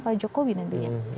pak jokowi nantinya